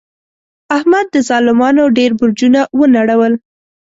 احمد د ظالمانو ډېر برجونه و نړول.